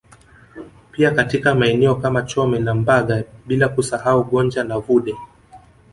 Pia katika maeneo kama Chome na Mbaga bila kusahau Gonja na Vudee